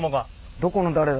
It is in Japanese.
どこの誰だ。